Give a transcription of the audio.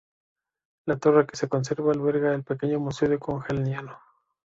La torre que se conserva alberga el pequeño museo de Conegliano.